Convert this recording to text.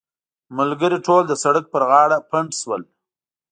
ملګري ټول د سړک پر غاړه پنډ شول.